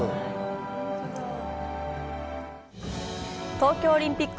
東京オリンピック